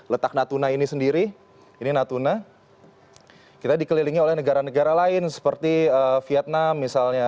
letak natuna ini sendiri ini natuna kita dikelilingi oleh negara negara lain seperti vietnam misalnya